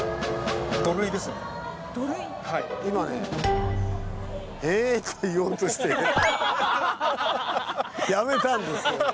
今ねやめたんですけどね。